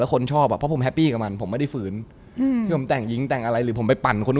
คนจะรู้สึกว่าของของมันนะ